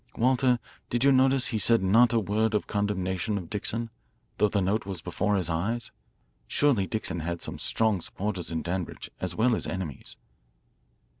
"Walter, did you notice he said not a word of condemnation of Dixon, though the note was before his eyes? Surely Dixon has some strong supporters in Danbridge, as well as enemies.